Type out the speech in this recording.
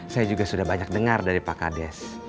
saya juga sudah banyak dengar dari pak kades